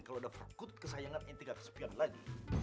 kalo ada verkutut kesayangan ente gak kesepian lagi